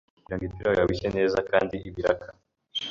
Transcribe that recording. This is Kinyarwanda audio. kugira ngo ipirawu yawe ishye neza kandi ibarika.